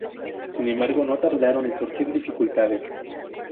Sin embargo, no tardaron en surgir dificultades.